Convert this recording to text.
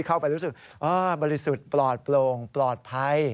เข้าไปรู้สึกบริสุทธิ์ปลอดโปร่งปลอดภัย